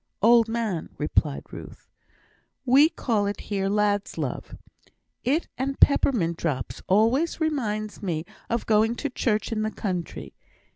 "Old man," replied Ruth. "We call it here lad's love. It and peppermint drops always remind me of going to church in the country.